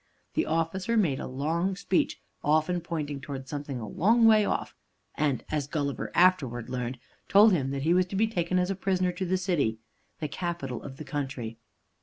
The officer made a long speech, often pointing towards something a long way off, and (as Gulliver afterwards learned) told him that he was to be taken as a prisoner to the city, the capital of the country.